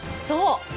そう！